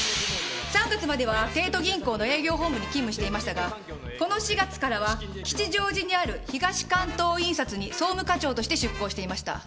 ３月までは帝都銀行の営業本部に勤務していましたがこの４月からは吉祥寺にある東関東印刷に総務課長として出向していました。